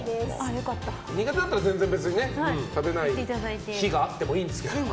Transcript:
苦手だったら全然別に食べない日があってもいいんですけど。